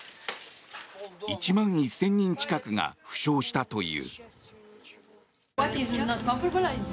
１万１０００人近くが負傷したという。